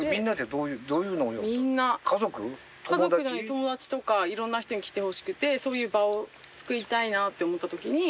友達とかいろんな人に来てほしくてそういう場をつくりたいなって思ったときに。